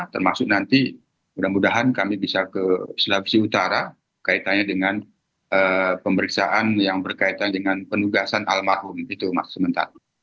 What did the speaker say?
termasuk nanti mudah mudahan kami bisa ke sulawesi utara kaitannya dengan pemeriksaan yang berkaitan dengan penugasan almarhum itu sementara